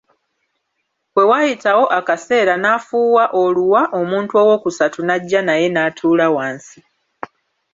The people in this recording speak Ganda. Bwe waayitawo akaseera n'afuuwa oluwa omuntu ow'okusatu n'ajja naye n'atuula wansi.